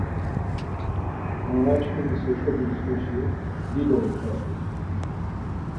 Nanaçkimis heşo butzvişi dido ixelu.